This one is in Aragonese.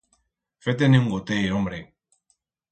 Fe-te-ne un gotet, hombre.